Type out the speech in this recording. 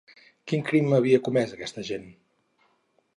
Quin crim havia comès aquesta gent?